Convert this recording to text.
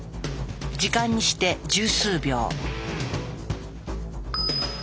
時間にして十数秒。